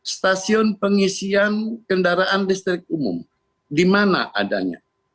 stasiun pengisian kendaraan listrik umum di mana adanya